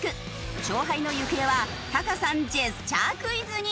勝敗の行方はタカさんジェスチャークイズに！